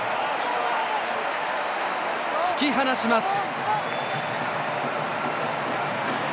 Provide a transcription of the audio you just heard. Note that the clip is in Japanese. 突き放します！